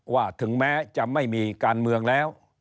ถึงแม้จะไม่มีการเมืองแล้ว